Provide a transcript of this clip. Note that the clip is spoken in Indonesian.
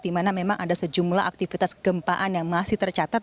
di mana memang ada sejumlah aktivitas kegempaan yang masih tercatat